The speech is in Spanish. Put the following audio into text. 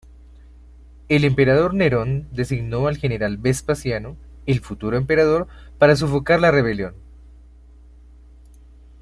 El emperador Nerón designó al general Vespasiano, el futuro emperador, para sofocar la rebelión.